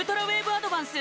アドバンス